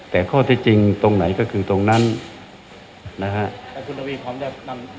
แต่ข้อที่จริงตรงไหนก็คือตรงนั้นนะฮะแต่คุณทวีพร้อมจะนำ